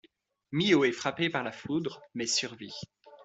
Minho est frappé par la foudre, mais survit.